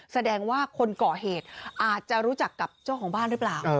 แสดงว่าคนก่อเหตุอาจจะรู้จักกับเจ้าของบ้านหรือเปล่า